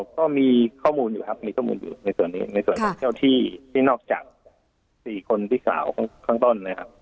ก็มีข้อมูลอยู่ครับมีข้อมูลอยู่ในส่วนนี้ในส่วนของเจ้าที่ที่นอกจาก๔คนพี่สาวข้างต้นนะครับ